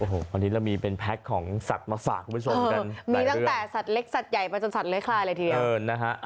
ตอนนี้เรามีเป็นแพ็คของสัตว์มาสระนึกสนมีตั้งแต่สัตว์เล็กสัตว์ใหญ่ไปจนสัตว์เล็กคลายเลยที